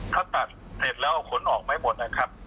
ถ้าตัดเห็นแล้วขนออกไม่หมดอะครับ